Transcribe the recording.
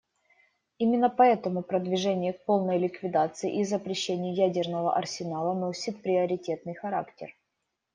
Именно поэтому продвижение к полной ликвидации и запрещению ядерного арсенала носит приоритетный характер.